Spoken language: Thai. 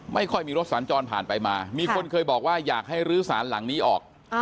ไม่ค่อยมีรถสัญจรผ่านไปมามีคนเคยบอกว่าอยากให้รื้อสารหลังนี้ออก